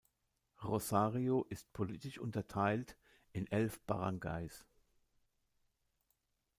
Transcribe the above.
Rosario ist politisch unterteilt in elf Baranggays.